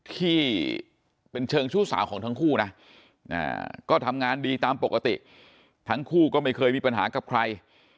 ที่เป็นเชิงชู้สาวของทั้งคู่นะก็ทำงานดีตามปกติทั้งคู่ก็ไม่เคยมีปัญหากับใคร